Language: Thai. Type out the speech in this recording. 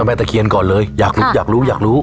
ตะเคียนก่อนเลยอยากรู้อยากรู้อยากรู้